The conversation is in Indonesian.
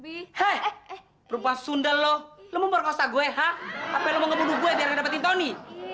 bih perubahan sunda loh lu memperkosa gue hah apa lo mau bunuh gue dapetin tony